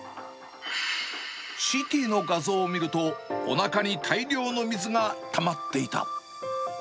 ＣＴの画像を見ると、おなかに大量の水がたまっていた。